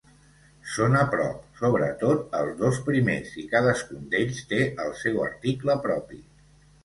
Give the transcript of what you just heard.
Són a prop, sobretot els dos primers, i cadascun d'ells té el seu article propi.